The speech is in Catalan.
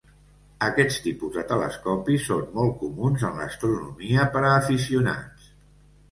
Aquest tipus de telescopis són molt comuns en l'astronomia per a aficionats.